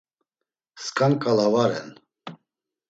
Skan ǩala va ren.